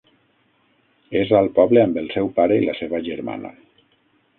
És al poble amb el seu pare i la seva germana.